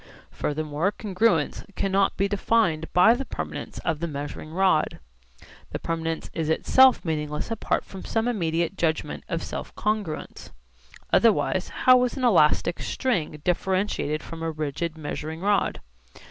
Furthermore congruence cannot be defined by the permanence of the measuring rod. The permanence is itself meaningless apart from some immediate judgment of self congruence. Otherwise how is an elastic string differentiated from a rigid measuring rod?